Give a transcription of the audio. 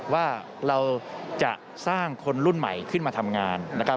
ว่าเราจะสร้างคนรุ่นใหม่ขึ้นมาทำงานนะครับ